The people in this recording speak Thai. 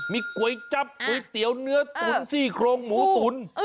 มีก๋วยจับก๋วยเตี๋ยวเนื้อตุ๋นซี่โครงหมูตุ๋น